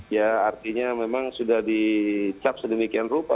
ya artinya memang sudah dicap sedemikian rupa